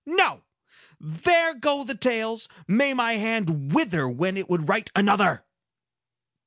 No! There go the tales! May my hand wither when it would write another!"